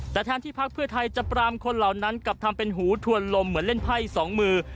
แต่แทนที่พักเพื่อไทยจะปรามคนเหล่านั้นกลับทำเป็นหูถวนลมเหมือนเล่นไพ่สองมือ